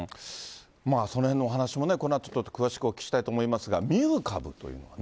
そのへんのお話もね、このあと詳しくお聞きしたいと思いますが、ミュー株というね。